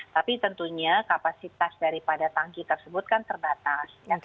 tapi tentunya kapasitas daripada tangki tersebut kan terbatas